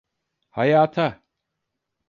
Hayata.